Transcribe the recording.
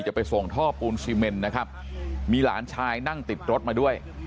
จะไปส่งท่อปูนซีเมนนะครับมีหลานชายนั่งติดรถมาด้วย